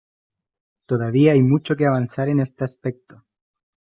Todavía hay mucho que avanzar en este aspecto.